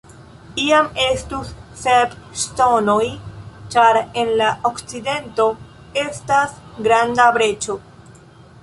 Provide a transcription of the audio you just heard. Iam estus sep ŝtonoj, ĉar en la okcidento estas granda breĉo.